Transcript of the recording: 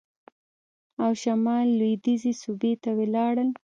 او شمال لوېدیځې صوبې ته ولاړل.